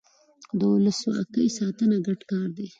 د ولسواکۍ ساتنه ګډ کار دی